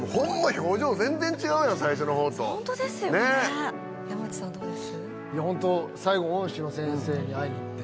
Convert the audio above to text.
表情全然違うよ最初のほうとホントですよね山内さんどうです？